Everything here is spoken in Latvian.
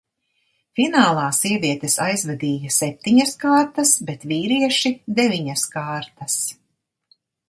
Finālā sievietes aizvadīja septiņas kārtas, bet vīrieši – deviņas kārtas.